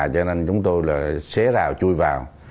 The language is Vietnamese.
cho nên chúng tôi là xé rào chui vào